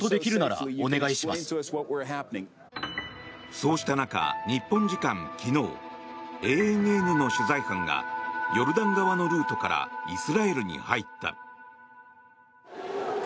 そうした中、日本時間昨日ＡＮＮの取材班がヨルダン側のルートからイスラエルに入った。